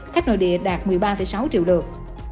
khách nội địa đạt một mươi ba sáu triệu lượt